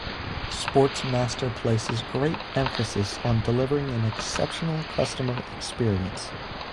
Sportmaster places great emphasis on delivering an exceptional customer experience.